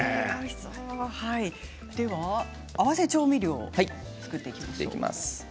では合わせ調味料を作っていきましょう。